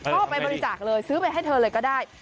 ชอบไปบริจาคเลยซื้อไปให้เธอเลยก็ได้